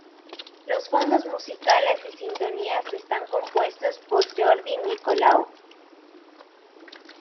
Los fondos musicales y sintonías están compuestos por Jordi Nicolau.